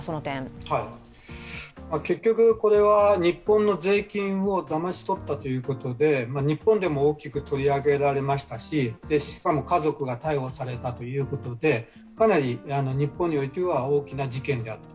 結局、これは日本の税金をだまし取ったということで日本でも大きく取り上げられましたし、しかも、家族が逮捕されたということでかなり日本においては大きな事件である。